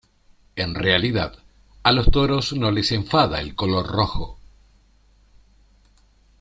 En realidad a los toros no les enfada el color rojo.